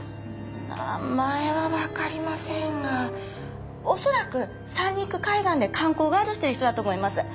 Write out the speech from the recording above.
名前はわかりませんが恐らく三陸海岸で観光ガイドしている人だと思います。